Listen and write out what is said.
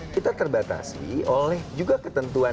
kita terbatasi oleh juga ketentuan